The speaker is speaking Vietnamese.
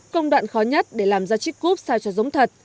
công đoạn khó nhất để làm ra chiếc cúp sao cho giống thật